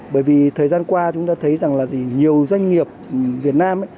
bởi vì thời gian qua chúng ta thấy rằng là nhiều doanh nghiệp việt nam